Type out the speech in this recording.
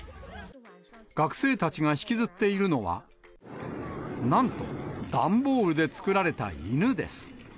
学生たちが引きずっているのは、なんと段ボールで作られた犬です。